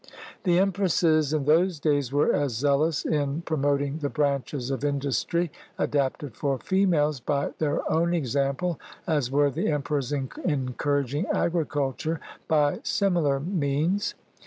The empresses in those days were as zealous in pro moting the branches of industry adapted for females by their own example as were the emperors in encouraging agriculture by similar means.